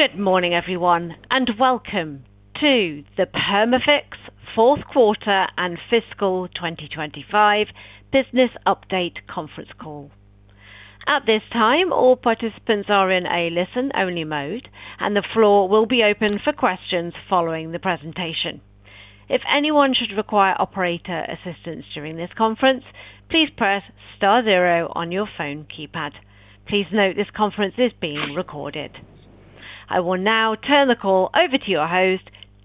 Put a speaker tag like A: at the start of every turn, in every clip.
A: Good morning, everyone, and welcome to the Perma-Fix fourth quarter and fiscal 2025 business update conference call. At this time, all participants are in a listen-only mode, and the floor will be open for questions following the presentation. If anyone should require operator assistance during this conference, please press star zero on your phone keypad. Please note this conference is being recorded. I will now turn the call over to your host,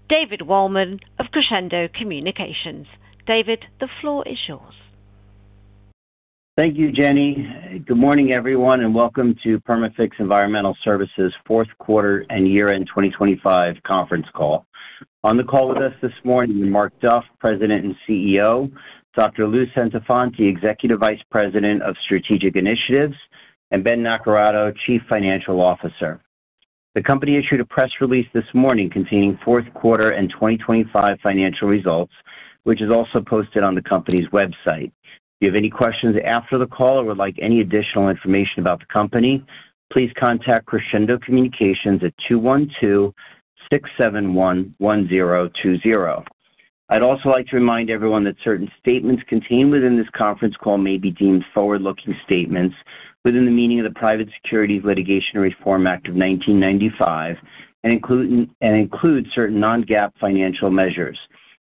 A: David Waldman of Crescendo Communications. David, the floor is yours.
B: Thank you, Jenny. Good morning, everyone, and welcome to Perma-Fix Environmental Services' fourth quarter and year-end 2025 conference call. On the call with us this morning, Mark Duff, President and CEO, Dr. Louis Centofanti, Executive Vice President of Strategic Initiatives, and Ben Naccarato, Chief Financial Officer. The company issued a press release this morning containing fourth quarter and 2025 financial results, which is also posted on the company's website. If you have any questions after the call or would like any additional information about the company, please contact Crescendo Communications at 212-671-1020. I'd also like to remind everyone that certain statements contained within this conference call may be deemed forward-looking statements within the meaning of the Private Securities Litigation Reform Act of 1995 and include certain non-GAAP financial measures.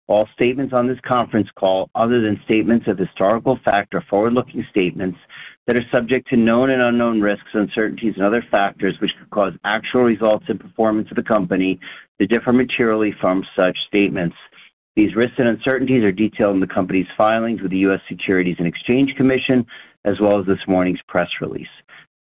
B: All statements on this conference call, other than statements of historical fact, are forward-looking statements that are subject to known and unknown risks, uncertainties and other factors which could cause actual results and performance of the company to differ materially from such statements. These risks and uncertainties are detailed in the company's filings with the U.S. Securities and Exchange Commission, as well as this morning's press release.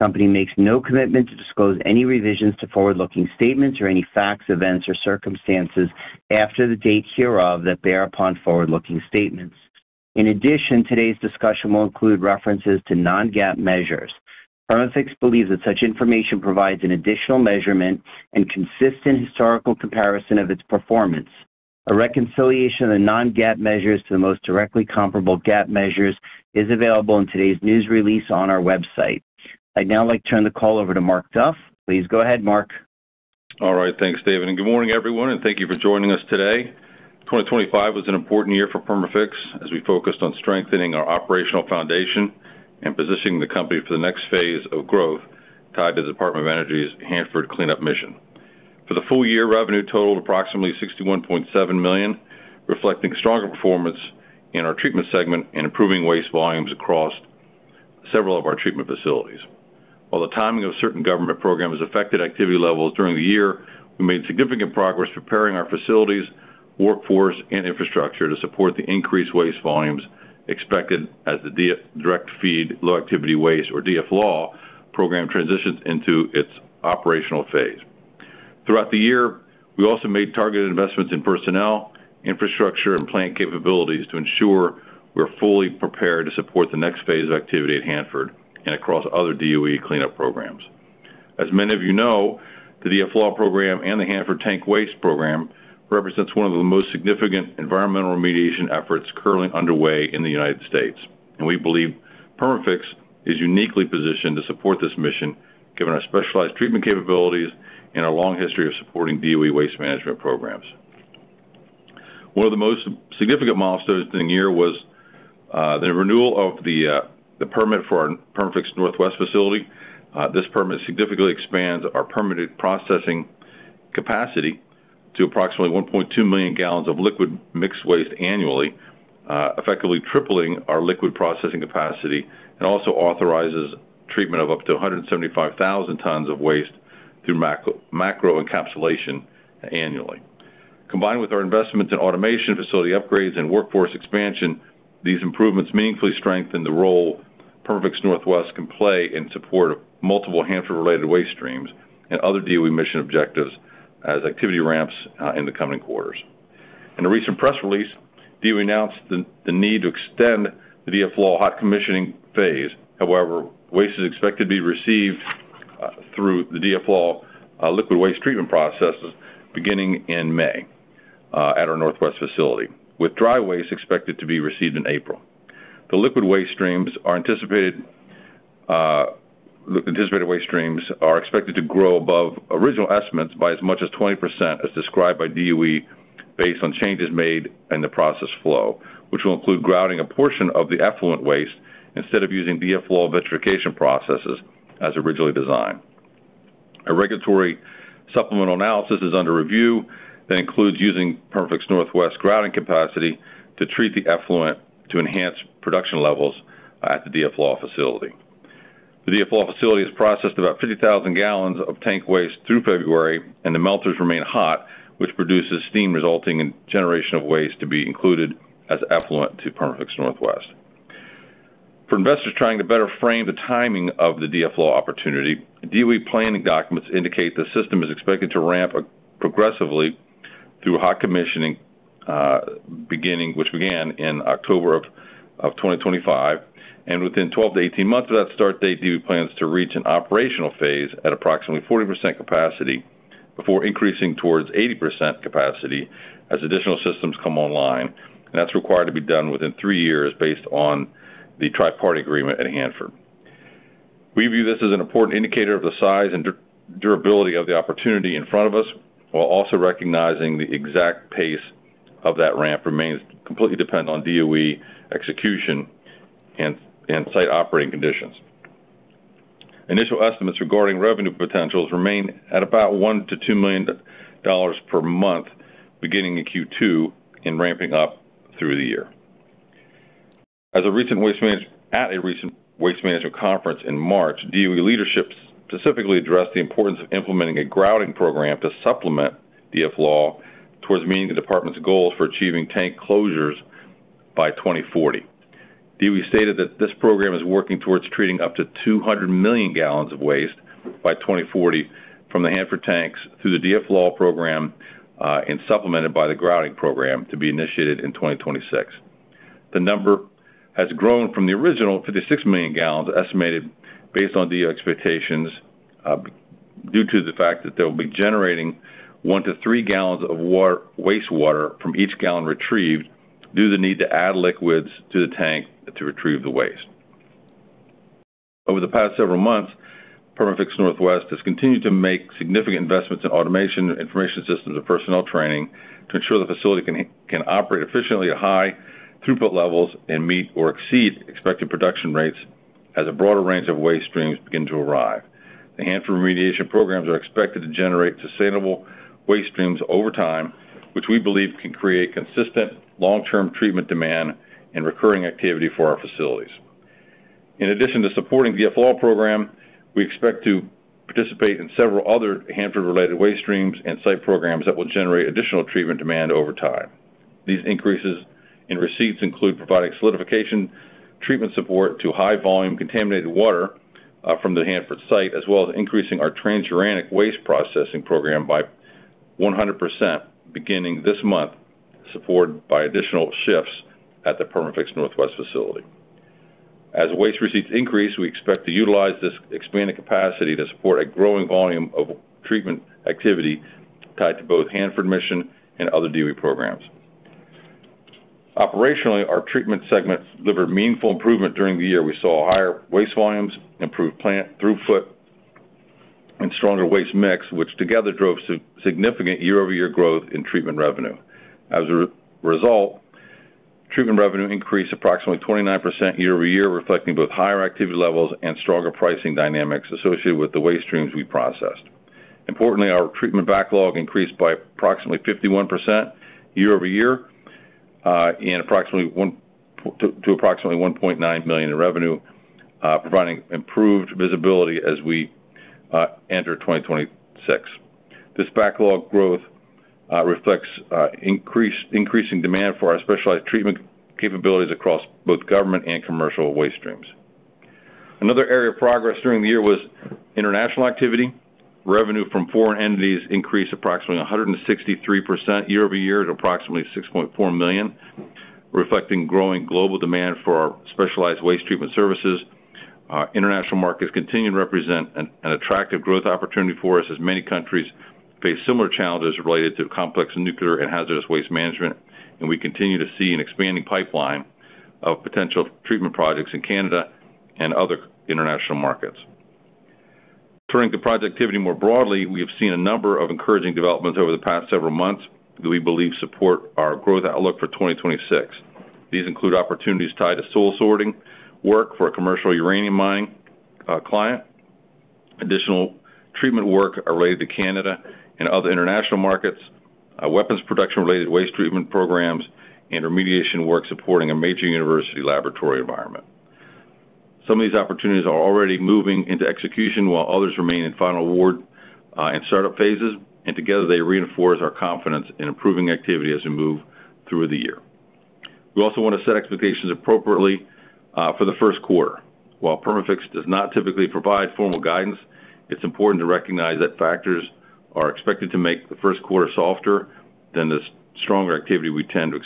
B: Company makes no commitment to disclose any revisions to forward-looking statements or any facts, events or circumstances after the date hereof that bear upon forward-looking statements. In addition, today's discussion will include references to non-GAAP measures. Perma-Fix believes that such information provides an additional measurement and consistent historical comparison of its performance. A reconciliation of the non-GAAP measures to the most directly comparable GAAP measures is available in today's news release on our website. I'd now like to turn the call over to Mark Duff. Please go ahead, Mark.
C: All right. Thanks, David, and good morning, everyone, and thank you for joining us today. 2025 was an important year for Perma-Fix as we focused on strengthening our operational foundation and positioning the company for the next phase of growth tied to the Department of Energy's Hanford cleanup mission. For the full year, revenue totaled approximately $61.7 million, reflecting stronger performance in our treatment segment and improving waste volumes across several of our treatment facilities. While the timing of certain government programs affected activity levels during the year, we made significant progress preparing our facilities, workforce, and infrastructure to support the increased waste volumes expected as the Direct-Feed Low-Activity Waste, or DFLAW, program transitions into its operational phase. Throughout the year, we also made targeted investments in personnel, infrastructure, and plant capabilities to ensure we're fully prepared to support the next phase of activity at Hanford and across other DOE cleanup programs. As many of you know, the DFLAW program and the Hanford Tank Waste Program represents one of the most significant environmental remediation efforts currently underway in the United States, and we believe Perma-Fix is uniquely positioned to support this mission given our specialized treatment capabilities and our long history of supporting DOE waste management programs. One of the most significant milestones of the year was the renewal of the permit for our Perma-Fix Northwest facility. This permit significantly expands our permitted processing capacity to approximately 1.2 million gallons of liquid mixed waste annually, effectively tripling our liquid processing capacity, and also authorizes treatment of up to 175,000 tons of waste through macroencapsulation annually. Combined with our investments in automation, facility upgrades, and workforce expansion, these improvements meaningfully strengthen the role Perma-Fix Northwest can play in support of multiple Hanford-related waste streams and other DOE mission objectives as activity ramps in the coming quarters. In a recent press release, DOE announced the need to extend the DFLAW hot commissioning phase. However, waste is expected to be received through the DFLAW liquid waste treatment processes beginning in May at our Northwest facility, with dry waste expected to be received in April. The anticipated waste streams are expected to grow above original estimates by as much as 20%, as described by DOE, based on changes made in the process flow, which will include grouting a portion of the effluent waste instead of using DFLAW vitrification processes as originally designed. A regulatory supplemental analysis is under review that includes using Perma-Fix Northwest grouting capacity to treat the effluent to enhance production levels at the DFLAW facility. The DFLAW facility has processed about 50,000 gallons of tank waste through February, and the melters remain hot, which produces steam resulting in generation of waste to be included as effluent to Perma-Fix Northwest. For investors trying to better frame the timing of the DFLAW opportunity, DOE planning documents indicate the system is expected to ramp up progressively through hot commissioning beginning, which began in October of 2025. Within 12-18 months of that start date, DOE plans to reach an operational phase at approximately 40% capacity before increasing towards 80% capacity as additional systems come online. That's required to be done within three years based on the Tri-Party Agreement at Hanford. We view this as an important indicator of the size and durability of the opportunity in front of us, while also recognizing the exact pace of that ramp remains completely dependent on DOE execution and site operating conditions. Initial estimates regarding revenue potentials remain at about $1 million-$2 million per month, beginning in Q2 and ramping up through the year. At a recent Waste Management conference in March, DOE leadership specifically addressed the importance of implementing a grouting program to supplement DFLAW towards meeting the department's goals for achieving tank closures by 2040. DOE stated that this program is working towards treating up to 200 million gallons of waste by 2040 from the Hanford tanks through the DFLAW program, and supplemented by the grouting program to be initiated in 2026. The number has grown from the original 56 million gallons estimated based on DOE expectations, due to the fact that they'll be generating 1-3 gallons of wastewater from each gallon retrieved due to the need to add liquids to the tank to retrieve the waste. Over the past several months, Perma-Fix Northwest has continued to make significant investments in automation, information systems, and personnel training to ensure the facility can operate efficiently at high throughput levels and meet or exceed expected production rates as a broader range of waste streams begin to arrive. The Hanford remediation programs are expected to generate sustainable waste streams over time, which we believe can create consistent long-term treatment demand and recurring activity for our facilities. In addition to supporting DFLAW program, we expect to participate in several other Hanford related waste streams and site programs that will generate additional treatment demand over time. These increases in receipts include providing solidification treatment support to high volume contaminated water from the Hanford site, as well as increasing our transuranic waste processing program by 100% beginning this month, supported by additional shifts at the Perma-Fix Northwest facility. As waste receipts increase, we expect to utilize this expanded capacity to support a growing volume of treatment activity tied to both Hanford mission and other DOE programs. Operationally, our treatment segment delivered meaningful improvement during the year. We saw higher waste volumes, improved plant throughput, and stronger waste mix, which together drove significant year-over-year growth in treatment revenue. As a result, treatment revenue increased approximately 29% year-over-year, reflecting both higher activity levels and stronger pricing dynamics associated with the waste streams we processed. Importantly, our treatment backlog increased by approximately 51% year-over-year to approximately $1.9 million in revenue, providing improved visibility as we enter 2026. This backlog growth reflects increasing demand for our specialized treatment capabilities across both government and commercial waste streams. Another area of progress during the year was international activity. Revenue from foreign entities increased approximately 163% year over year at approximately $6.4 million, reflecting growing global demand for our specialized waste treatment services. International markets continue to represent an attractive growth opportunity for us as many countries face similar challenges related to complex nuclear and hazardous waste management, and we continue to see an expanding pipeline of potential treatment projects in Canada and other international markets. Turning to project activity more broadly, we have seen a number of encouraging developments over the past several months that we believe support our growth outlook for 2026. These include opportunities tied to soil sorting work for a commercial uranium mining client, additional treatment work related to Canada and other international markets, weapons production related waste treatment programs, and remediation work supporting a major university laboratory environment. Some of these opportunities are already moving into execution, while others remain in final award and startup phases, and together they reinforce our confidence in improving activity as we move through the year. We also want to set expectations appropriately for the first quarter. While Perma-Fix does not typically provide formal guidance, it's important to recognize that factors are expected to make the first quarter softer than the stronger activity we tend to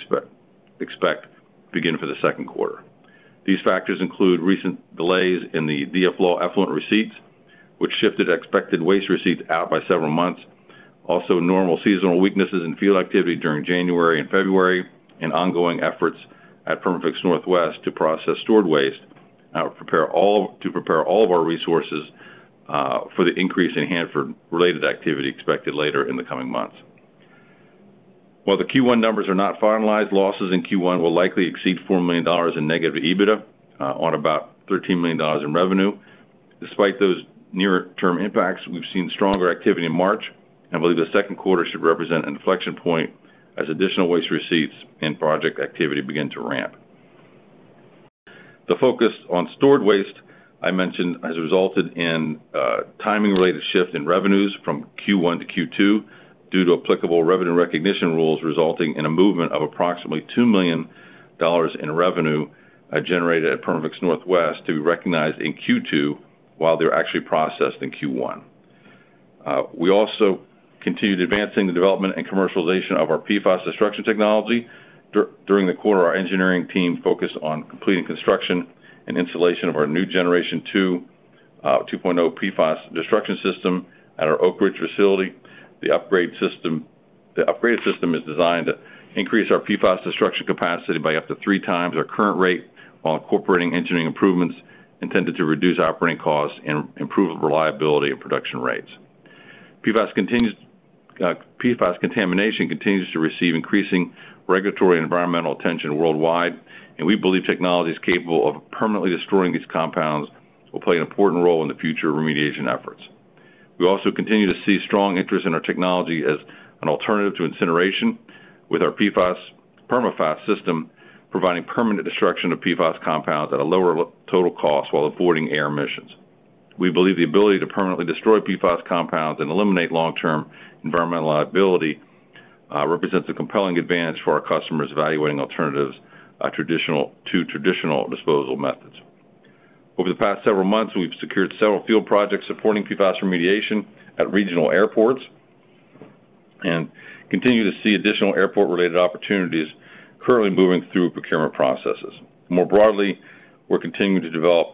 C: expect beginning for the second quarter. These factors include recent delays in the DFLAW effluent receipts, which shifted expected waste receipts out by several months. Also, normal seasonal weaknesses in field activity during January and February, and ongoing efforts at Perma-Fix Northwest to process stored waste, to prepare all of our resources, for the increase in Hanford related activity expected later in the coming months. While the Q1 numbers are not finalized, losses in Q1 will likely exceed $4 million in negative EBITDA, on about $13 million in revenue. Despite those near-term impacts, we've seen stronger activity in March and believe the second quarter should represent an inflection point as additional waste receipts and project activity begin to ramp. The focus on stored waste I mentioned has resulted in a timing related shift in revenues from Q1 to Q2 due to applicable revenue recognition rules, resulting in a movement of approximately $2 million in revenue generated at Perma-Fix Northwest to be recognized in Q2 while they're actually processed in Q1. We also continued advancing the development and commercialization of our PFAS destruction technology. During the quarter, our engineering team focused on completing construction and installation of our new Generation 2.0 PFAS destruction system at our Oak Ridge facility. The upgraded system is designed to increase our PFAS destruction capacity by up to three times our current rate, while incorporating engineering improvements intended to reduce operating costs and improve reliability and production rates. PFAS contamination continues to receive increasing regulatory and environmental attention worldwide, and we believe technology is capable of permanently destroying these compounds will play an important role in the future remediation efforts. We also continue to see strong interest in our technology as an alternative to incineration, with our PFAS Perma-FAS system providing permanent destruction of PFAS compounds at a lower total cost while avoiding air emissions. We believe the ability to permanently destroy PFAS compounds and eliminate long-term environmental liability represents a compelling advantage for our customers evaluating alternatives to traditional disposal methods. Over the past several months, we've secured several field projects supporting PFAS remediation at regional airports and continue to see additional airport-related opportunities currently moving through procurement processes. More broadly, we're continuing to develop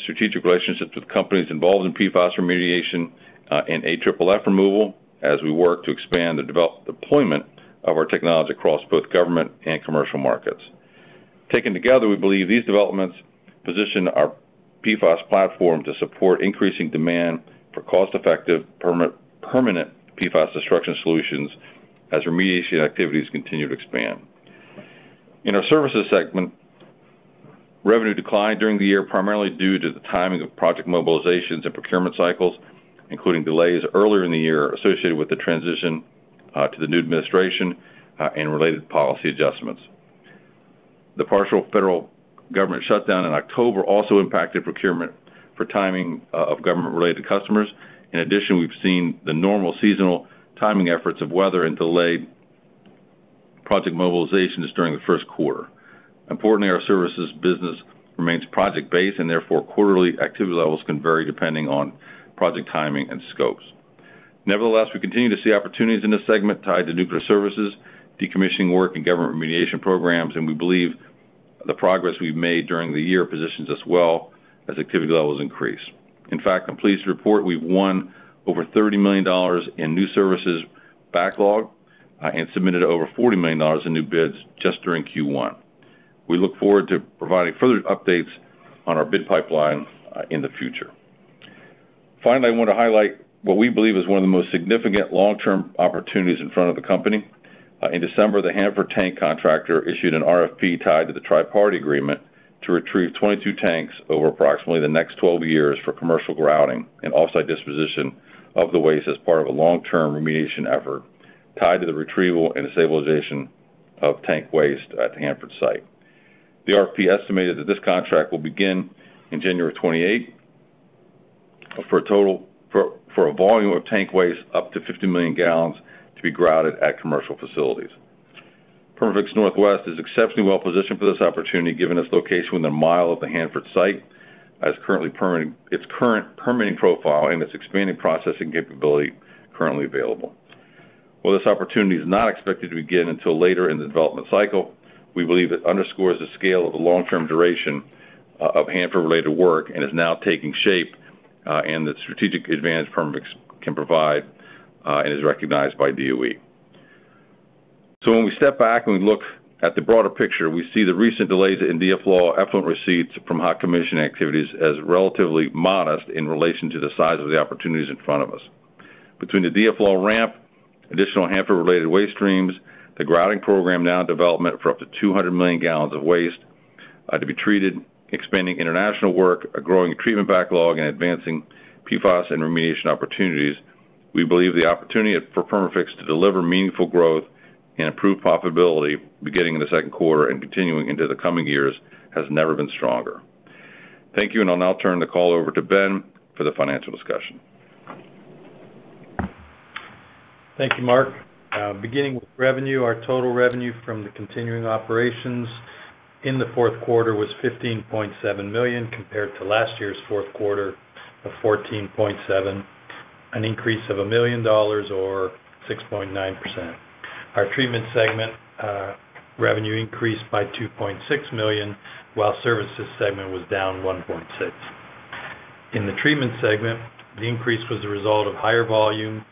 C: strategic relationships with companies involved in PFAS remediation and AFFF removal as we work to expand and develop deployment of our technology across both government and commercial markets. Taken together, we believe these developments position our PFAS platform to support increasing demand for cost-effective permanent PFAS destruction solutions as remediation activities continue to expand. In our services segment, revenue declined during the year, primarily due to the timing of project mobilizations and procurement cycles, including delays earlier in the year associated with the transition to the new administration and related policy adjustments. The partial federal government shutdown in October also impacted procurement for timing of government-related customers. In addition, we've seen the normal seasonal timing effects of weather and delayed project mobilizations during the first quarter. Importantly, our services business remains project-based, and therefore quarterly activity levels can vary depending on project timing and scopes. Nevertheless, we continue to see opportunities in this segment tied to nuclear services, decommissioning work, and government remediation programs, and we believe the progress we've made during the year positions us well as activity levels increase. In fact, I'm pleased to report we've won over $30 million in new services backlog, and submitted over $40 million in new bids just during Q1. We look forward to providing further updates on our bid pipeline, in the future. Finally, I want to highlight what we believe is one of the most significant long-term opportunities in front of the company. In December, the Hanford tank contractor issued an RFP tied to the Tri-Party Agreement to retrieve 22 tanks over approximately the next 12 years for commercial grouting and off-site disposition of the waste as part of a long-term remediation effort tied to the retrieval and stabilization of tank waste at the Hanford Site. The RFP estimated that this contract will begin in January 2028 for a volume of tank waste up to 50 million gallons to be grouted at commercial facilities. Perma-Fix Northwest is exceptionally well positioned for this opportunity, given its location within a mile of the Hanford Site, and its current permitting profile and its expanding processing capability currently available. While this opportunity is not expected to begin until later in the development cycle, we believe it underscores the scale of the long-term duration of Hanford-related work and is now taking shape, and the strategic advantage Perma-Fix can provide, and is recognized by DOE. When we step back and we look at the broader picture, we see the recent delays in DFLAW effluent receipts from hot commission activities as relatively modest in relation to the size of the opportunities in front of us. Between the DFLAW ramp, additional Hanford-related waste streams, the grouting program now in development for up to 200 million gallons of waste to be treated, expanding international work, a growing treatment backlog, and advancing PFAS and remediation opportunities, we believe the opportunity for Perma-Fix to deliver meaningful growth and improve profitability beginning in the second quarter and continuing into the coming years has never been stronger. Thank you, and I'll now turn the call over to Ben for the financial discussion.
D: Thank you, Mark. Beginning with revenue, our total revenue from the continuing operations in the fourth quarter was $15.7 million compared to last year's fourth quarter of $14.7 million, an increase of $1 million or 6.9%. Our Treatment segment revenue increased by $2.6 million, while Services segment was down $1.6 million. In the Treatment segment, the increase was a result of higher volume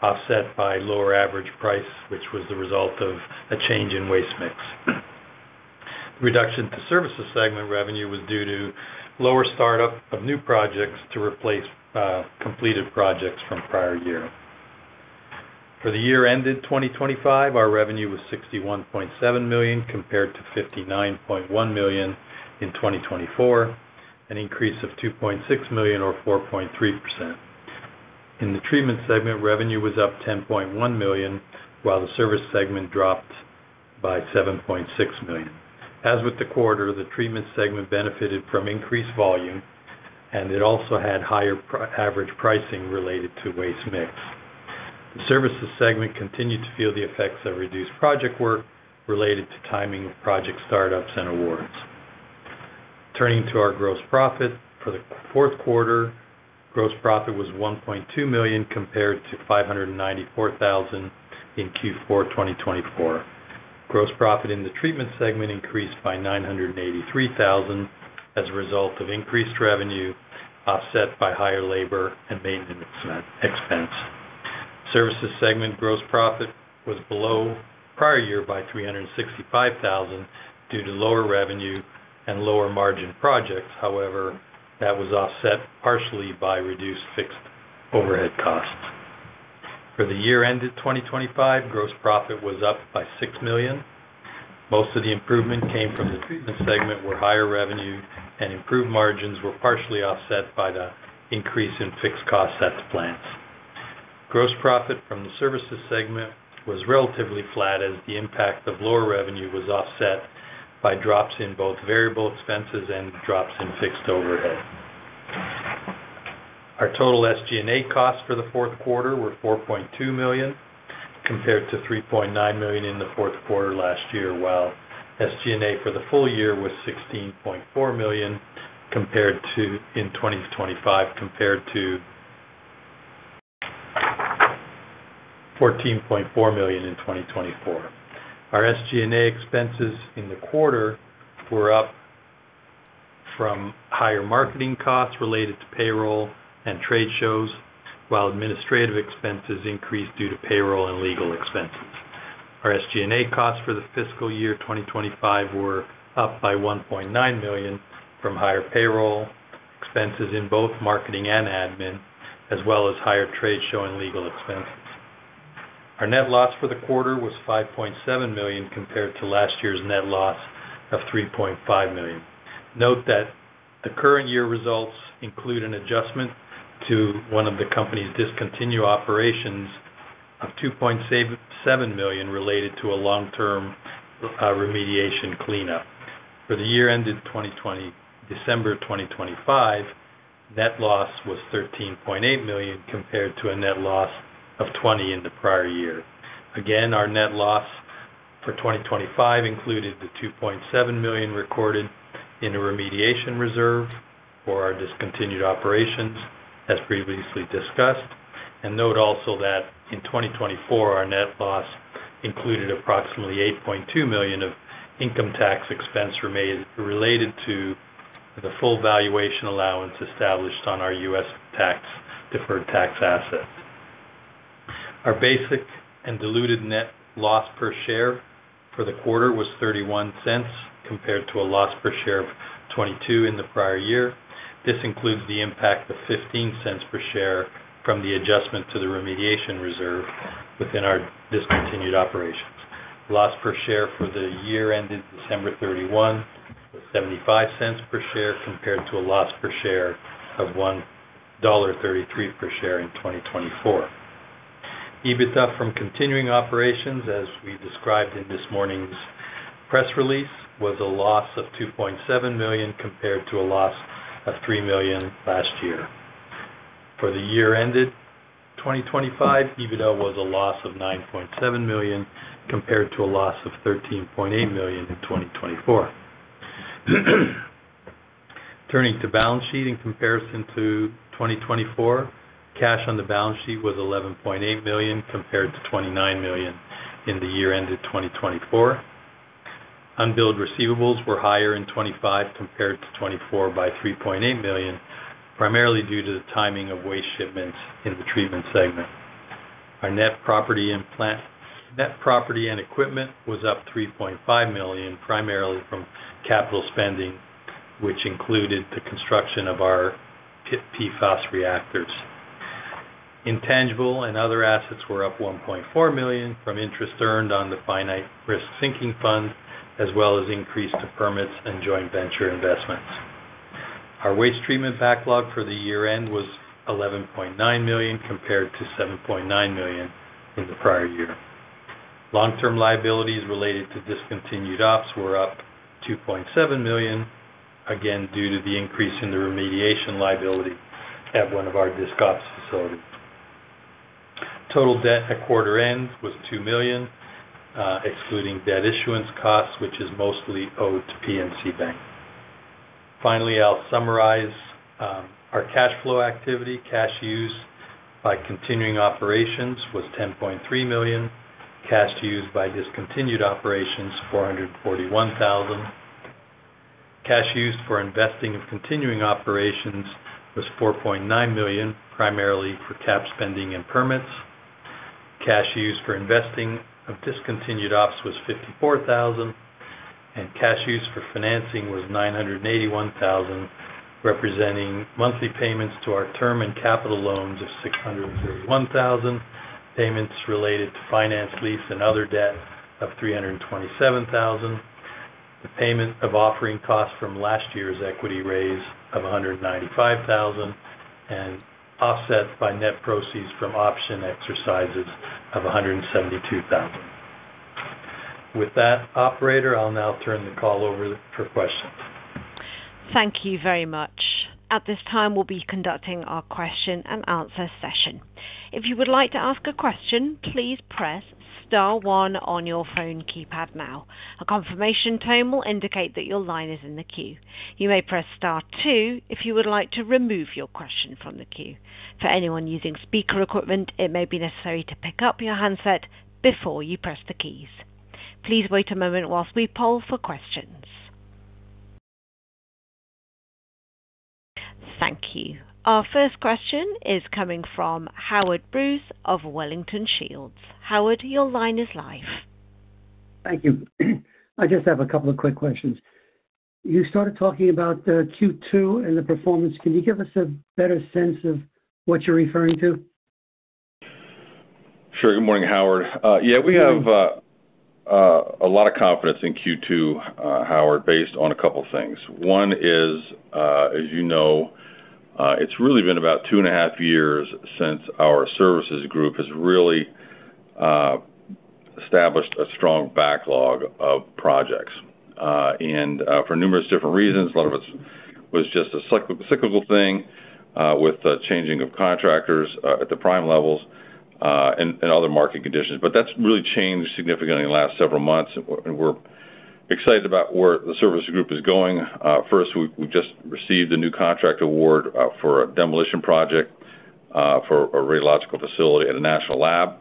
D: offset by lower average price, which was the result of a change in waste mix. Reduction to Services segment revenue was due to lower startup of new projects to replace completed projects from prior year. For the year ended 2025, our revenue was $61.7 million compared to $59.1 million in 2024, an increase of $2.6 million or 4.3%. In the treatment segment, revenue was up $10.1 million, while the Services segment dropped by $7.6 million. As with the quarter, the treatment segment benefited from increased volume, and it also had higher average pricing related to waste mix. The Services segment continued to feel the effects of reduced project work related to timing of project startups and awards. Turning to our gross profit. For the fourth quarter, gross profit was $1.2 million compared to $594,000 in Q4 2024. Gross profit in the treatment segment increased by $983,000 as a result of increased revenue, offset by higher labor and maintenance expense. Services segment gross profit was below prior year by $365,000 due to lower revenue and lower margin projects. However, that was offset partially by reduced fixed overhead costs. For the year ended 2025, gross profit was up by $6 million. Most of the improvement came from the treatment segment, where higher revenue and improved margins were partially offset by the increase in fixed costs at the plants. Gross profit from the services segment was relatively flat as the impact of lower revenue was offset by drops in both variable expenses and drops in fixed overhead. Our total SG&A costs for the fourth quarter were $4.2 million compared to $3.9 million in the fourth quarter last year, while SG&A for the full year was $16.4 million compared to $14.4 million in 2024. Our SG&A expenses in the quarter were up from higher marketing costs related to payroll and trade shows, while administrative expenses increased due to payroll and legal expenses. Our SG&A costs for the fiscal year 2025 were up by $1.9 million from higher payroll expenses in both marketing and admin, as well as higher trade show and legal expenses. Our net loss for the quarter was $5.7 million, compared to last year's net loss of $3.5 million. Note that the current year results include an adjustment to one of the company's discontinued operations of $2.7 million related to a long-term remediation cleanup. For the year ended December 2025, net loss was $13.8 million, compared to a net loss of $20 million in the prior year. Again, our net loss for 2025 included the $2.7 million recorded in the remediation reserve for our discontinued operations, as previously discussed. Note also that in 2024, our net loss included approximately $8.2 million of income tax expense related to the full valuation allowance established on our U.S. tax-deferred tax assets. Our basic and diluted net loss per share for the quarter was $0.31 compared to a loss per share of $0.22 in the prior year. This includes the impact of $0.15 per share from the adjustment to the remediation reserve within our discontinued operations. Loss per share for the year ended December 31 was $0.75 per share compared to a loss per share of $1.33 per share in 2024. EBITDA from continuing operations, as we described in this morning's press release, was a loss of $2.7 million compared to a loss of $3 million last year. For the year ended 2025, EBITDA was a loss of $9.7 million, compared to a loss of $13.8 million in 2024. Turning to balance sheet. In comparison to 2024, cash on the balance sheet was $11.8 million compared to $29 million in the year ended 2024. Unbilled receivables were higher in 2025 compared to 2024 by $3.8 million, primarily due to the timing of waste shipments in the treatment segment. Our net property and equipment was up $3.5 million, primarily from capital spending, which included the construction of our PFAS reactors. Intangible and other assets were up $1.4 million from interest earned on the finite risk sinking fund, as well as increase to permits and joint venture investments. Our waste treatment backlog for the year-end was $11.9 million, compared to $7.9 million in the prior year. Long-term liabilities related to discontinued ops were up $2.7 million, again due to the increase in the remediation liability at one of our discontinued operations facilities. Total debt at quarter end was $2 million, excluding debt issuance costs, which is mostly owed to PNC Bank. Finally, I'll summarize our cash flow activity. Cash used by continuing operations was $10.3 million. Cash used by discontinued operations, $441,000. Cash used for investing of continuing operations was $4.9 million, primarily for CapEx spending and permits. Cash used for investing of discontinued ops was $54,000, and cash used for financing was $981,000, representing monthly payments to our term and capital loans of $631,000, payments related to finance, lease, and other debt of $327,000, the payment of offering costs from last year's equity raise of $195,000 and offset by net proceeds from option exercises of $172,000. With that, operator, I'll now turn the call over for questions.
A: Thank you very much. At this time, we'll be conducting our question-and-answer session. If you would like to ask a question, please press star one on your phone keypad now. A confirmation tone will indicate that your line is in the queue. You may press star two if you would like to remove your question from the queue. For anyone using speaker equipment, it may be necessary to pick up your handset before you press the keys. Please wait a moment while we poll for questions. Thank you. Our first question is coming from Howard Brous of Wellington Shields. Howard, your line is live.
E: Thank you. I just have a couple of quick questions. You started talking about Q2 and the performance. Can you give us a better sense of what you're referring to?
C: Sure. Good morning, Howard. Yeah, we have a lot of confidence in Q2, Howard, based on a couple things. One is, as you know, it's really been about two and a half years since our services group has really established a strong backlog of projects, and for numerous different reasons. A lot of it was just a cyclical thing, with the changing of contractors at the prime levels, and other market conditions. That's really changed significantly in the last several months, and we're excited about where the services group is going. First, we just received a new contract award for a demolition project for a radiological facility at a national lab.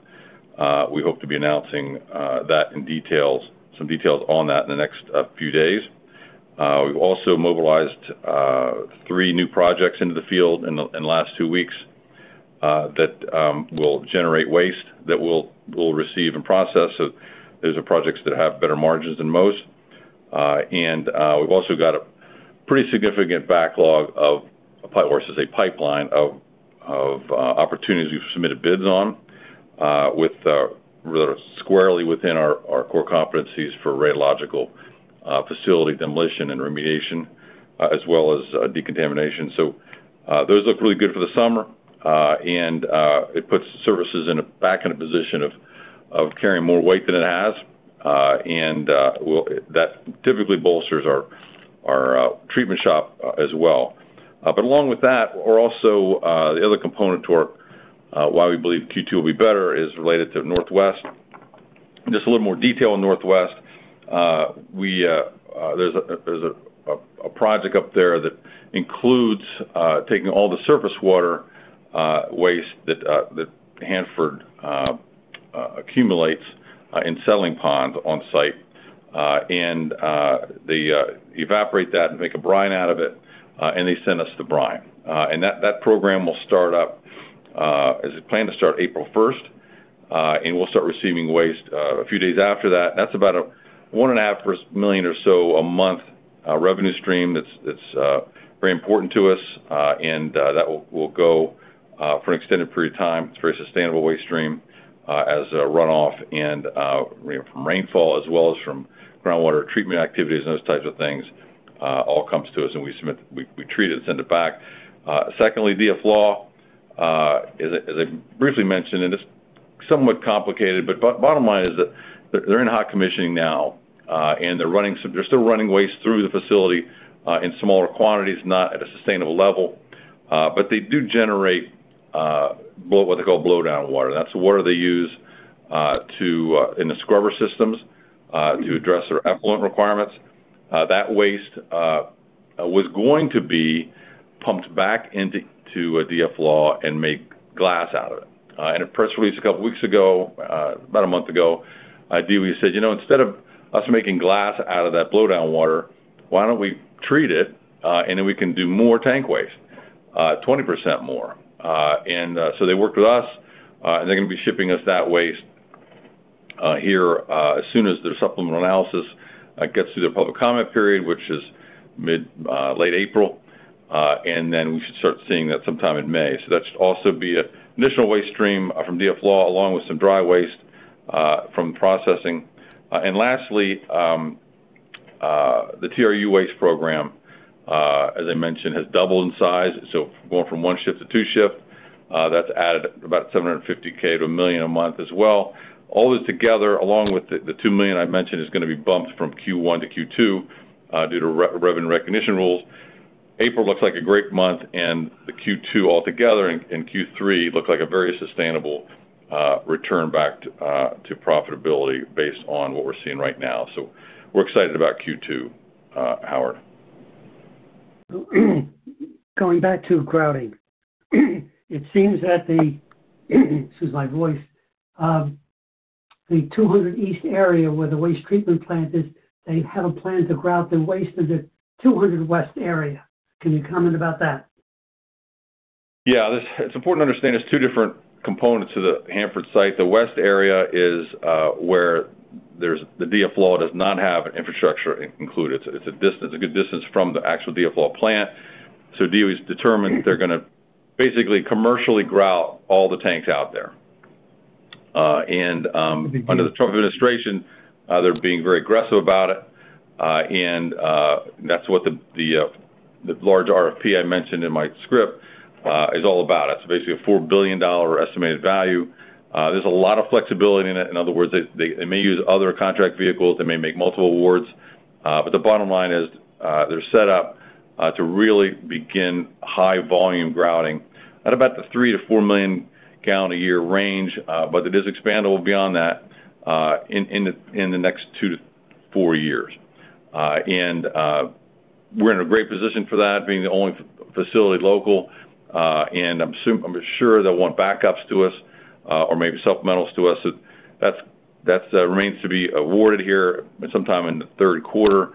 C: We hope to be announcing some details on that in the next few days. We've also mobilized three new projects into the field in the last two weeks that will generate waste that we'll receive and process. Those are projects that have better margins than most. We've also got a pretty significant pipeline of opportunities we've submitted bids on with that are squarely within our core competencies for radiological facility demolition and remediation as well as decontamination. Those look really good for the summer. It puts services back in a position of carrying more weight than it has. That typically bolsters our treatment shop as well. Along with that, we're also the other component to our why we believe Q2 will be better is related to Northwest. Just a little more detail on Northwest. There's a project up there that includes taking all the surface water waste that Hanford accumulates in settling ponds on site. They evaporate that and make a brine out of it, and they send us the brine. That program will start up, it's planned to start April first. We'll start receiving waste a few days after that. That's about $1.5 million or so a month revenue stream that's very important to us, and that will go for an extended period of time. It's a very sustainable waste stream as a runoff and from rainfall as well as from groundwater treatment activities and those types of things, all comes to us and we treat it and send it back. Secondly, DFLAW, as I briefly mentioned, and it's somewhat complicated, but bottom line is that they're in hot commissioning now, and they're still running waste through the facility in smaller quantities, not at a sustainable level. But they do generate what they call blowdown water. That's the water they use in the scrubber systems to address their effluent requirements. That waste was going to be pumped back into DFLAW and make glass out of it. In a press release a couple of weeks ago, about a month ago, DOE said, "You know, instead of us making glass out of that blowdown water, why don't we treat it, and then we can do more tank waste, 20% more." They worked with us, and they're gonna be shipping us that waste here as soon as their supplemental analysis gets through the public comment period, which is mid- to late April, and then we should start seeing that sometime in May. That should also be an additional waste stream from DFLAW along with some dry waste from processing. Lastly, the TRU waste program, as I mentioned, has doubled in size. Going from one shift to two shift, that's added about $750,000-$1 million a month as well. All this together, along with the $2 million I mentioned is gonna be bumped from Q1 to Q2 due to revenue recognition rules. April looks like a great month, and the Q2 altogether and Q3 look like a very sustainable return back to profitability based on what we're seeing right now. We're excited about Q2, Howard.
E: Going back to grouting. It seems that the, excuse my voice, 200 East Area where the Waste Treatment Plant is, they haven't planned to grout the waste of the 200 West Area. Can you comment about that?
C: Yeah. It's important to understand there's two different components to the Hanford Site. The West Area is where the DFLAW does not have infrastructure included. It's a good distance from the actual DFLAW plant. DOE's determined they're gonna basically commercially grout all the tanks out there. Under the Trump administration, they're being very aggressive about it. That's what the large RFP I mentioned in my script is all about. It's basically a $4 billion estimated value. There's a lot of flexibility in it. In other words, they may use other contract vehicles. They may make multiple awards. The bottom line is they're set up to really begin high volume grouting at about the 3 million-4 million gallon a year range. It is expandable beyond that in the next two to four years. We're in a great position for that, being the only facility local. I'm sure they'll want backups to us or maybe supplementals to us. That remains to be awarded here sometime in the third quarter.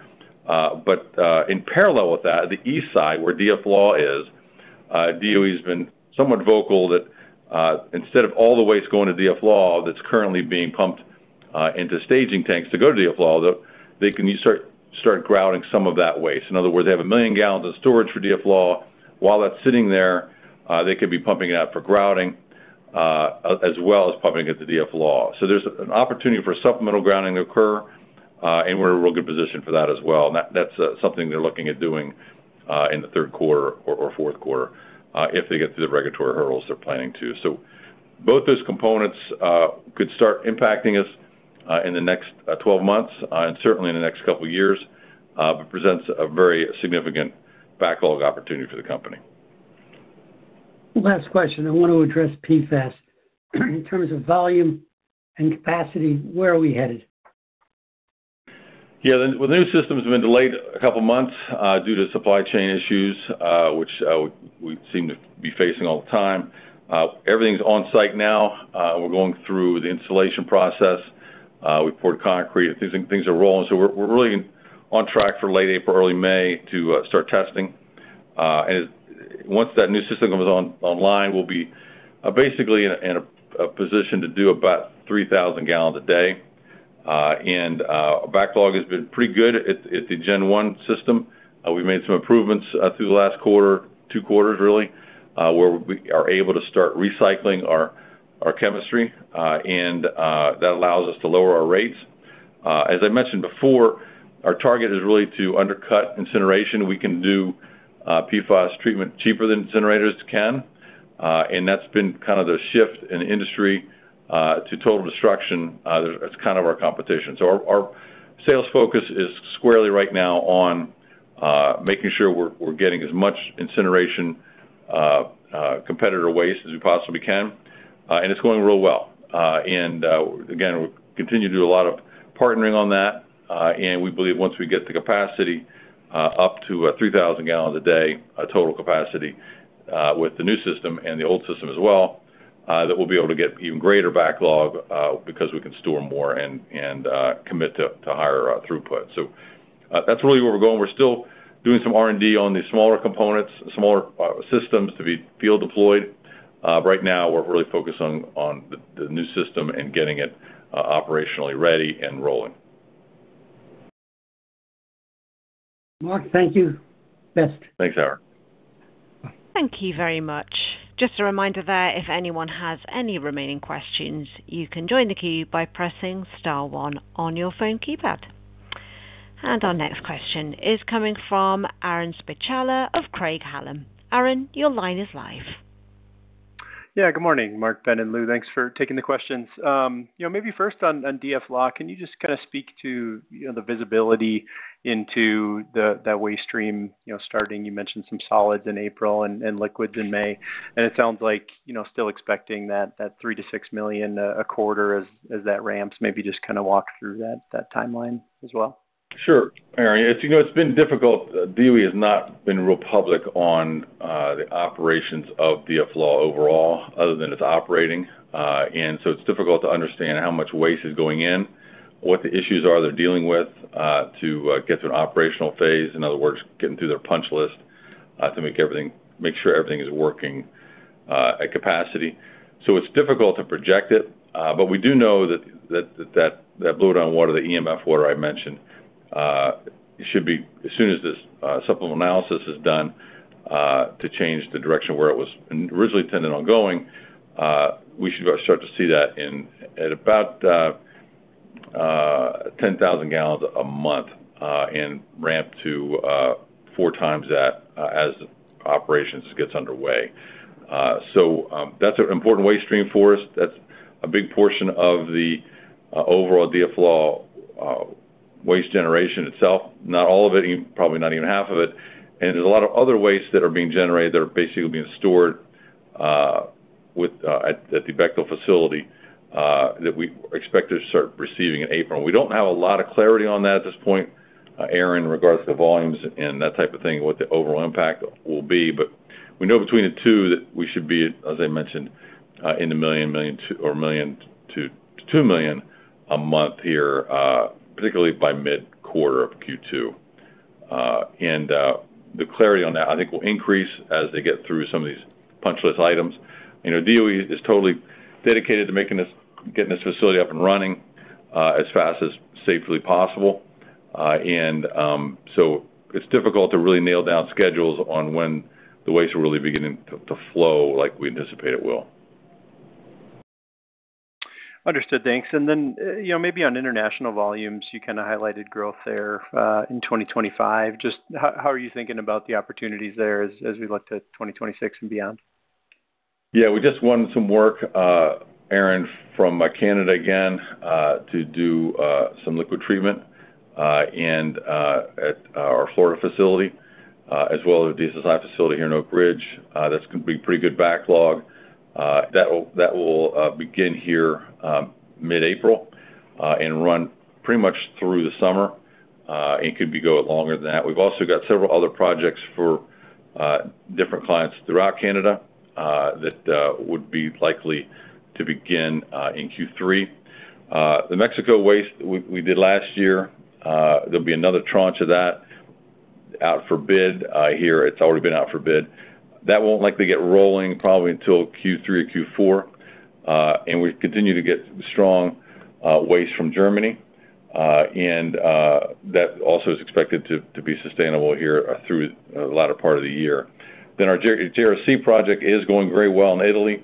C: In parallel with that, the east side, where DFLAW is, DOE has been somewhat vocal that instead of all the waste going to DFLAW that's currently being pumped into staging tanks to go to DFLAW, they can start grouting some of that waste. In other words, they have 1 million gallons of storage for DFLAW. While that's sitting there, they could be pumping it out for grouting as well as pumping it to DFLAW. There's an opportunity for supplemental grouting to occur, and we're in a real good position for that as well. That's something they're looking at doing in the third quarter or fourth quarter, if they get through the regulatory hurdles they're planning to. Both those components could start impacting us in the next 12 months and certainly in the next couple of years. It presents a very significant backlog opportunity for the company.
E: Last question. I want to address PFAS. In terms of volume and capacity, where are we headed?
C: Yeah, the new system has been delayed a couple of months due to supply chain issues, which we seem to be facing all the time. Everything's on-site now. We're going through the installation process. We poured concrete. Things are rolling. We're really on track for late April, early May to start testing. Once that new system comes online, we'll be basically in a position to do about 3,000 gallons a day. Backlog has been pretty good at the Gen one system. We made some improvements through the last quarter, two quarters really, where we are able to start recycling our chemistry, and that allows us to lower our rates. As I mentioned before, our target is really to undercut incineration. We can do PFAS treatment cheaper than incinerators can. That's been kind of the shift in industry to total destruction. That's kind of our competition. Our sales focus is squarely right now on making sure we're getting as much incineration competitor waste as we possibly can. It's going really well. Again, we continue to do a lot of partnering on that. We believe once we get the capacity up to 3,000 gallons a day total capacity with the new system and the old system as well that we'll be able to get even greater backlog because we can store more and commit to higher throughput. That's really where we're going. We're still doing some R&D on the smaller components, systems to be field deployed. Right now, we're really focused on the new system and getting it operationally ready and rolling.
E: Mark, thank you. Best.
C: Thanks, Howard.
A: Thank you very much. Just a reminder there, if anyone has any remaining questions, you can join the queue by pressing star one on your phone keypad. Our next question is coming from Aaron Spychalla of Craig-Hallum. Aaron, your line is live.
F: Yeah, good morning, Mark, Ben, and Lou. Thanks for taking the questions. You know, maybe first on DFLAW, can you just kind of speak to, you know, the visibility into that waste stream, you know, starting, you mentioned some solids in April and liquids in May. It sounds like, you know, still expecting that 3 million-6 million a quarter as that ramps. Maybe just kind of walk through that timeline as well.
C: Sure, Aaron. As you know, it's been difficult. DOE has not been really public on the operations of DFLAW overall other than it's operating. It's difficult to understand how much waste is going in, what the issues are they're dealing with to get to an operational phase. In other words, getting through their punch list to make sure everything is working at capacity. It's difficult to project it. We do know that blowdown water, the EMF water I mentioned, as soon as this supplemental analysis is done to change the direction where it was originally intended on going, we should start to see that at about 10,000 gallons a month, and ramp to four times that as operations gets underway. That's an important waste stream for us. That's a big portion of the overall DFLAW waste generation itself. Not all of it, probably not even half of it. There's a lot of other wastes that are being generated that are basically being stored at the Bechtel facility that we expect to start receiving in April. We don't have a lot of clarity on that at this point, Aaron, regardless of volumes and that type of thing, what the overall impact will be. We know between the two that we should be, as I mentioned, in the $1 million-$2 million a month here, particularly by mid-quarter of Q2. The clarity on that, I think, will increase as they get through some of these punch list items. You know, DOE is totally dedicated to getting this facility up and running as fast as safely possible. It's difficult to really nail down schedules on when the waste will really begin to flow like we anticipate it will.
F: Understood. Thanks. You know, maybe on international volumes, you kinda highlighted growth there in 2025. Just how are you thinking about the opportunities there as we look to 2026 and beyond?
C: Yeah, we just won some work, Aaron, from Canada again, to do some liquid treatment, and at our Florida facility, as well as the DSSI facility here in Oak Ridge. That's gonna be pretty good backlog. That will begin here mid-April and run pretty much through the summer. It could go longer than that. We've also got several other projects for different clients throughout Canada that would be likely to begin in Q3. The Mexico waste we did last year, there'll be another tranche of that out for bid here. It's already been out for bid. That won't likely get rolling probably until Q3 or Q4. We continue to get strong waste from Germany, and that also is expected to be sustainable here through the latter part of the year. Our JRC project is going very well in Italy.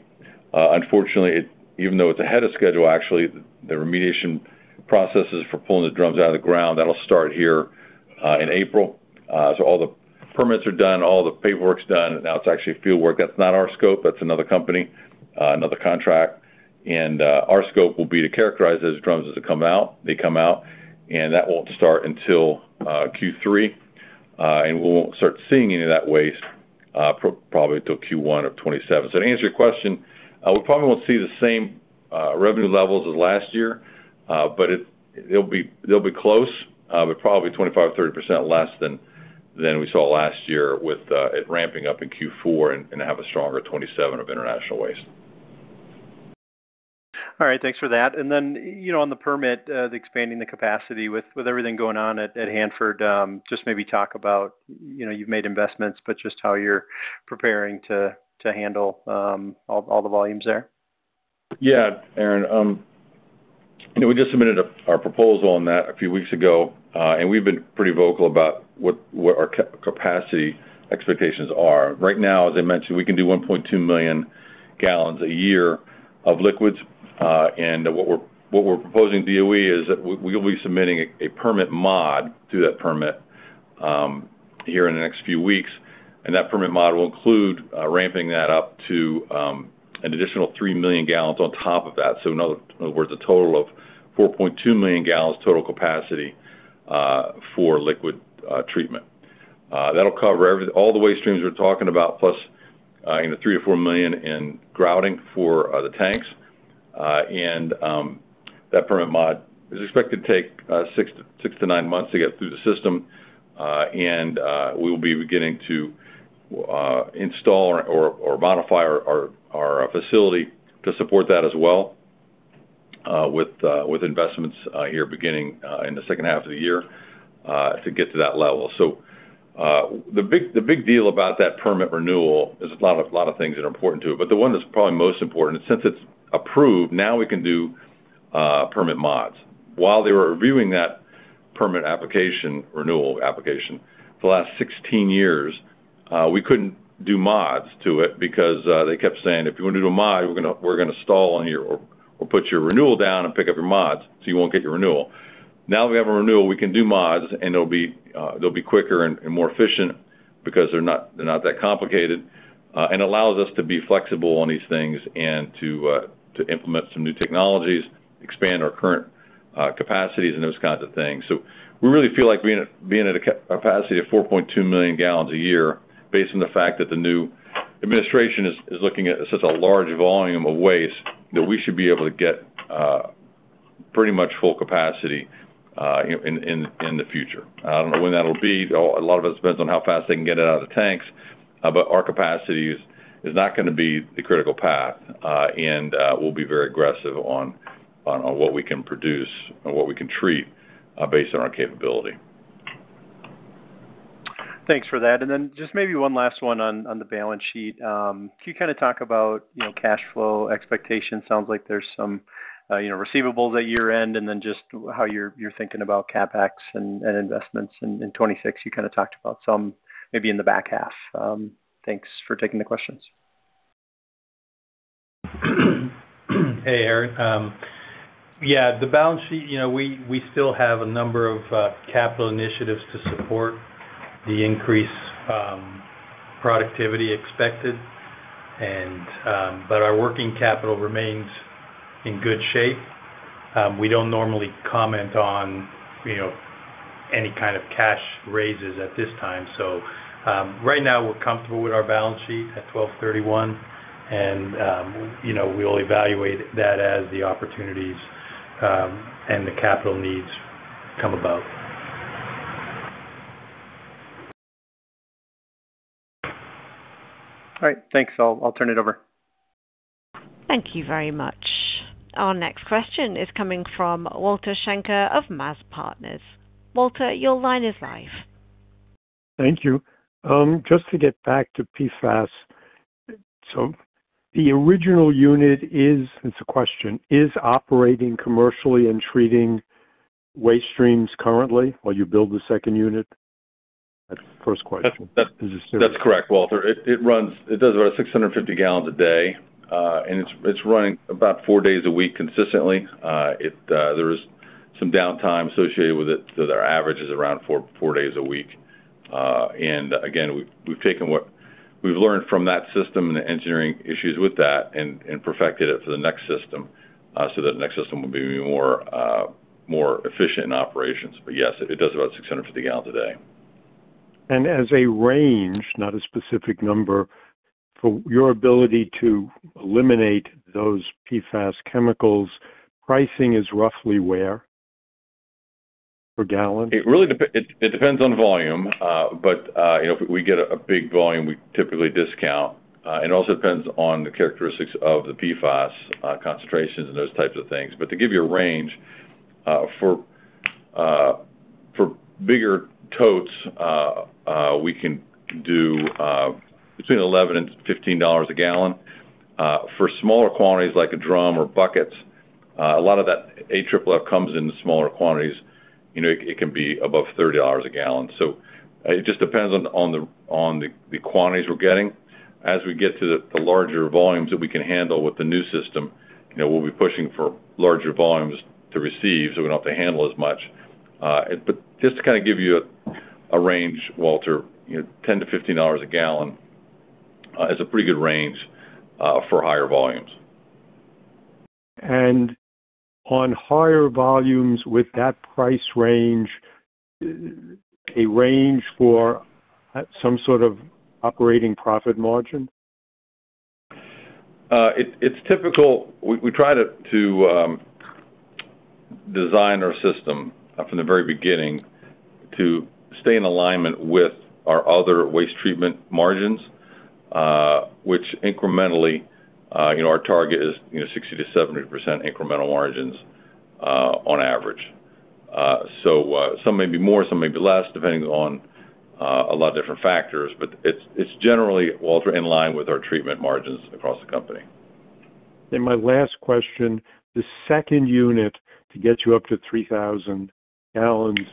C: Unfortunately, even though it's ahead of schedule, actually, the remediation processes for pulling the drums out of the ground, that'll start here in April. All the permits are done, all the paperwork's done, now it's actually field work. That's not our scope, that's another company, another contract. Our scope will be to characterize those drums as they come out. They come out, and that won't start until Q3. We won't start seeing any of that waste, probably till Q1 of 2027. To answer your question, we probably won't see the same revenue levels as last year, but it'll be close, but probably 25%-30% less than we saw last year with it ramping up in Q4 and have a stronger 2027 of international waste.
F: All right, thanks for that. Then, you know, on the permit, the expanding the capacity with everything going on at Hanford, just maybe talk about, you know, you've made investments, but just how you're preparing to handle all the volumes there?
C: Yeah, Aaron. You know, we just submitted our proposal on that a few weeks ago, and we've been pretty vocal about what our capacity expectations are. Right now, as I mentioned, we can do 1.2 million gallons a year of liquids. What we're proposing to DOE is that we'll be submitting a permit mod to that permit here in the next few weeks. That permit mod will include ramping that up to an additional 3 million gallons on top of that. In other words, a total of 4.2 million gallons total capacity for liquid treatment. That'll cover all the waste streams we're talking about, plus you know, 3 million-4 million in grouting for the tanks. That permit mod is expected to take six to nine months to get through the system. We'll be beginning to install or modify our facility to support that as well, with investments here beginning in the second half of the year, to get to that level. The big deal about that permit renewal is a lot of things that are important to it. The one that's probably most important is since it's approved, now we can do permit mods. While they were reviewing that permit application, renewal application for the last 16 years, we couldn't do mods to it because they kept saying, "If you want to do a mod, we're gonna stall on you or put your renewal down and pick up your mods, so you won't get your renewal." Now that we have a renewal, we can do mods, and they'll be quicker and more efficient because they're not that complicated. And allows us to be flexible on these things and to implement some new technologies, expand our current capacities and those kinds of things. We really feel like being at a capacity of 4.2 million gallons a year based on the fact that the new administration is looking at such a large volume of waste, that we should be able to get pretty much full capacity in the future. I don't know when that'll be. A lot of it depends on how fast they can get it out of the tanks. Our capacity is not gonna be the critical path. We'll be very aggressive on what we can produce and what we can treat based on our capability.
F: Thanks for that. Just maybe one last one on the balance sheet. Can you kind of talk about, you know, cash flow expectations? Sounds like there's some, you know, receivables at year-end, and then just how you're thinking about CapEx and investments in 2026. You kind of talked about some maybe in the back half. Thanks for taking the questions.
C: Hey, Aaron. Yeah, the balance sheet, you know, we still have a number of capital initiatives to support the increased productivity expected, but our working capital remains in good shape. We don't normally comment on, you know, any kind of cash raises at this time. Right now we're comfortable with our balance sheet at 12/31 and, you know, we'll evaluate that as the opportunities and the capital needs come about.
F: All right, thanks. I'll turn it over.
A: Thank you very much. Our next question is coming from Walter Schenker of MAZ Partners. Walter, your line is live.
G: Thank you. Just to get back to PFAS. The original unit is operating commercially and treating waste streams currently while you build the second unit? That's the first question.
C: That's.
G: Just curious.
C: That's correct, Walter. It does about 650 gallons a day, and it's running about four days a week consistently. There is some downtime associated with it, so their average is around four days a week. Again, we've taken what we've learned from that system and the engineering issues with that and perfected it for the next system, so that the next system will be more efficient in operations. Yes, it does about 650 gallons a day.
G: As a range, not a specific number, for your ability to eliminate those PFAS chemicals, pricing is roughly where per gallon?
C: It depends on volume, but you know, if we get a big volume, we typically discount. It also depends on the characteristics of the PFAS concentrations and those types of things. But to give you a range, for bigger totes, we can do between $11-$15 a gallon. For smaller quantities like a drum or buckets, a lot of that AFFF comes in the smaller quantities, you know, it can be above $30 a gallon. It just depends on the quantities we're getting. As we get to the larger volumes that we can handle with the new system, you know, we'll be pushing for larger volumes to receive, so we don't have to handle as much. Just to kind of give you a range, Walter, you know, $10-$15 a gallon is a pretty good range for higher volumes.
G: On higher volumes with that price range, a range for some sort of operating profit margin?
C: It's typical. We try to design our system from the very beginning to stay in alignment with our other waste treatment margins, which incrementally, you know, our target is, you know, 60%-70% incremental margins on average. Some may be more, some may be less, depending on a lot of different factors, but it's generally, Walter, in line with our treatment margins across the company.
G: My last question. The second unit to get you up to 3,000 gallons,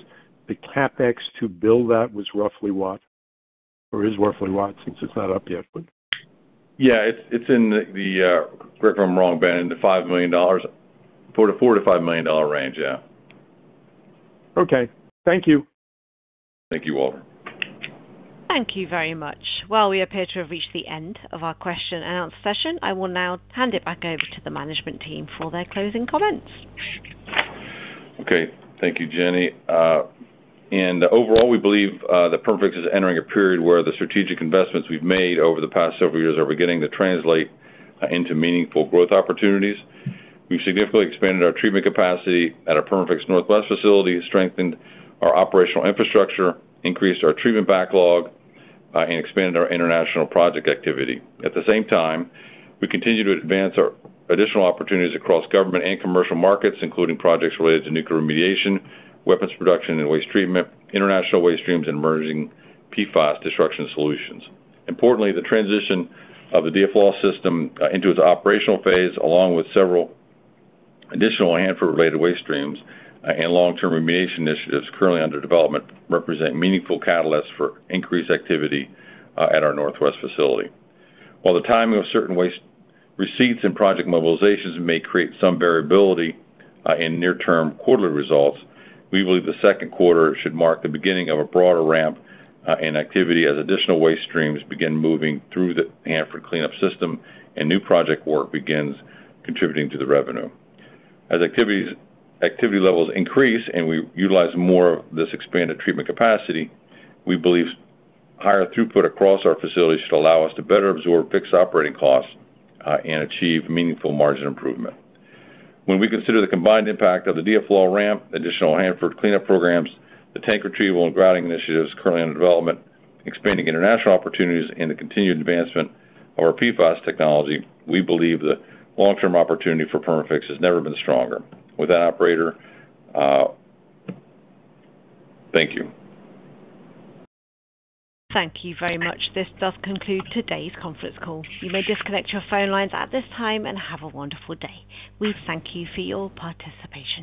G: the CapEx to build that was roughly what? Or is roughly what, since it's not up yet, but.
C: Yeah, it's, correct me if I'm wrong, Ben, in the $4 million-$5 million range, yeah.
G: Okay. Thank you.
C: Thank you, Walter.
A: Thank you very much. Well, we appear to have reached the end of our question-and-answer session. I will now hand it back over to the management team for their closing comments.
C: Okay. Thank you, Jenny. Overall, we believe that Perma-Fix is entering a period where the strategic investments we've made over the past several years are beginning to translate into meaningful growth opportunities. We've significantly expanded our treatment capacity at our Perma-Fix Northwest facility, strengthened our operational infrastructure, increased our treatment backlog, and expanded our international project activity. At the same time, we continue to advance our additional opportunities across government and commercial markets, including projects related to nuclear remediation, weapons production and waste treatment, international waste streams, and emerging PFAS destruction solutions. Importantly, the transition of the DFLAW system into its operational phase, along with several additional Hanford-related waste streams, and long-term remediation initiatives currently under development, represent meaningful catalysts for increased activity at our Northwest facility. While the timing of certain waste receipts and project mobilizations may create some variability in near-term quarterly results, we believe the second quarter should mark the beginning of a broader ramp in activity as additional waste streams begin moving through the Hanford cleanup system and new project work begins contributing to the revenue. As activity levels increase and we utilize more of this expanded treatment capacity, we believe higher throughput across our facilities should allow us to better absorb fixed operating costs and achieve meaningful margin improvement. When we consider the combined impact of the DFLAW ramp, additional Hanford cleanup programs, the tank retrieval and grouting initiatives currently under development, expanding international opportunities, and the continued advancement of our PFAS technology, we believe the long-term opportunity for Perma-Fix has never been stronger. With that, operator, thank you.
A: Thank you very much. This does conclude today's conference call. You may disconnect your phone lines at this time, and have a wonderful day. We thank you for your participation.